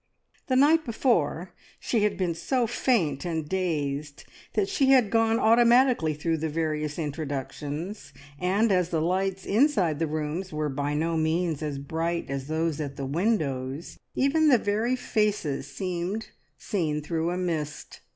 The night before she had been so faint and dazed that she had gone automatically through the various introductions, and as the lights inside the rooms were by no means as bright as those at the windows, even the very faces seemed seen through a mist.